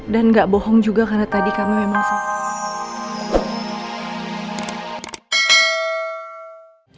dan gak bohong juga karena tadi kami memang